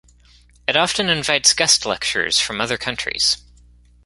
It often invites guest lecturers from other countries.